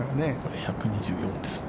◆１２４ですね。